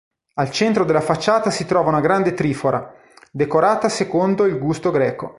Al centro della facciata si trova una grande trifora decorata secondo il gusto greco.